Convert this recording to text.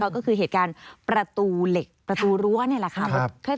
ก็คือเหตุการณ์ประตูเหล็กประตูรั้วนี่แหละค่ะ